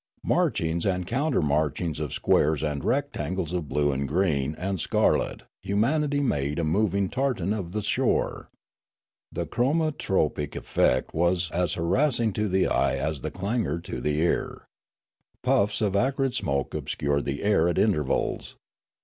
Marchings and countermarchings of squares and rectangles of blue and green and scarlet humanity made a moving tartan of the shore. The chromatropic effect was as harassing to the eye as the clangour to the ear. Puffs of acrid smoke obscured the air at intervals.